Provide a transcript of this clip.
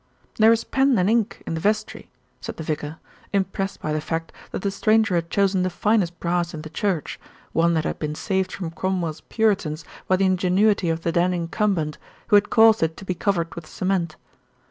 "There is pen and ink in the vestry," said the vicar, impressed by the fact that the stranger had chosen the finest brass in the church, one that had been saved from Cromwell's Puritans by the ingenuity of the then incumbent, who had caused it to be covered with cement.